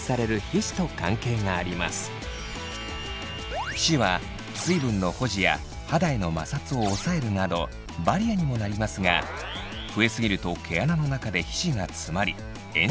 皮脂は水分の保持や肌への摩擦を抑えるなどバリアにもなりますが増えすぎると毛穴の中で皮脂が詰まり炎症状態が起きます。